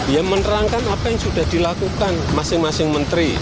ya menerangkan apa yang sudah dilakukan masing masing menteri